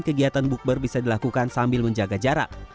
kegiatan bukber bisa dilakukan sambil menjaga jarak